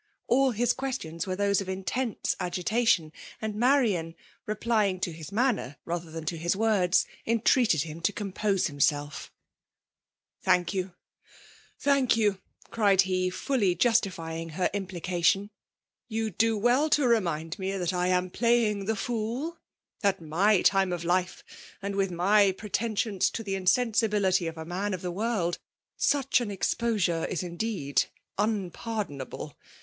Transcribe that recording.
All his questions tirere those of intense agitation ; and Marian, replying to Ills manner rather than to his words, entreated ium to compose hiniael£ ^' Thank you, thank you ! cried he, fully justifying her implication. *' You do well to remind me that I am playing the fool! At my time of life, and with my pretensions to the insensibility of a man of the world, such an eaqposure is indeed unpardonable